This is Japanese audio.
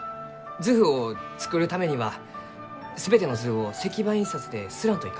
図譜を作るためには全ての図を石版印刷で刷らんといかん。